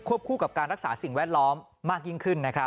คู่กับการรักษาสิ่งแวดล้อมมากยิ่งขึ้น